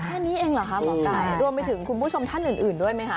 แค่นี้เองเหรอคะหมอไก่รวมไปถึงคุณผู้ชมท่านอื่นด้วยไหมคะ